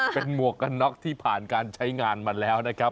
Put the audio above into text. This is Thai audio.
เป็นหมวกกันน็อกที่ผ่านการใช้งานมาแล้วนะครับ